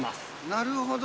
なるほど。